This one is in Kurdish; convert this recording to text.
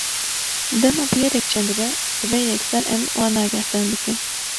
Dema bûyerek çêbibe, divê yekser em wan agahdar bikin.